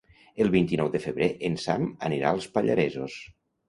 El vint-i-nou de febrer en Sam anirà als Pallaresos.